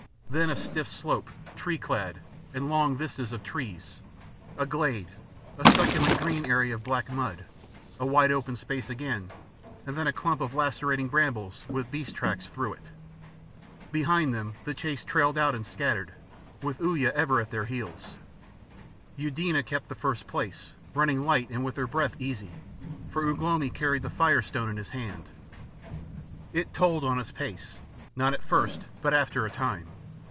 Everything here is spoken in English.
Then a stiff slope, tree clad, and long vistas of trees, a glade, a succulent green area of black mud, a wide open space again, and then a clump of lacerating brambles, with beast tracks through it. Behind them the chase trailed out and scattered, with Uya ever at their heels. Eudena kept the first place, running light and with her breath easy, for Ugh lomi carried the Fire Stone in his hand. It told on his pace not at first, but after a time.